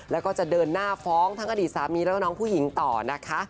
แล้วก็จะเดินหน้าฟ้องทั้งอดีตสามีแล้วก็น้องผู้หญิงต่อนะคะ